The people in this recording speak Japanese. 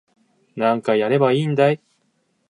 何回やればいいんだい